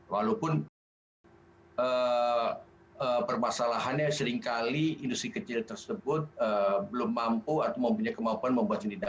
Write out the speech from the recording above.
walaupun permasalahannya seringkali industri kecil tersebut belum mampu atau mempunyai kemampuan membuat jendera